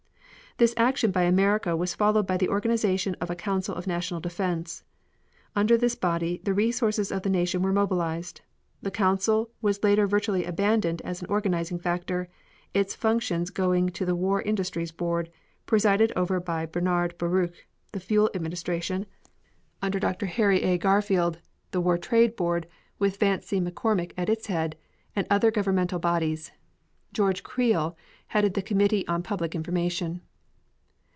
This action by America was followed by the organization of a Council of National Defense. Under this body the resources of the nation were mobilized. The council was later virtually abandoned as an organizing factor, its functions going to the War Industries Board, presided over by Bernard Baruch; the Fuel Administration, under Dr. Harry A. Garfield; the War Trade Board, with Vance C. McCormick at its head; and other governmental bodies. George Creel headed the Committee on Public Information.